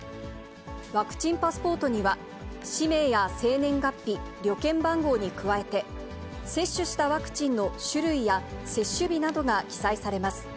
ワクチンパスポートには、氏名や生年月日、旅券番号に加えて、接種したワクチンの種類や、接種日などが記載されます。